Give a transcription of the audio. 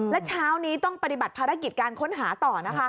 และเช้านี้ต้องปฏิบัติภารกิจการค้นหาต่อนะคะ